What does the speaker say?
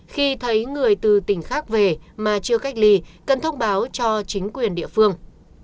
khi thấy người từ tỉnh khác về mà chưa cách ly cần thông báo cho chính quyền địa phương